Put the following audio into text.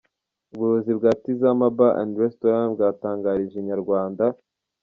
Ubuyobozi bwa Tizama Bar and Restaurant bwatangarije Inyarwanda.